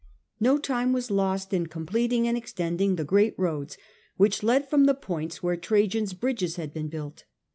No time was lost in completing and extending the great roads which led from the points where Trajan's bridges had been built.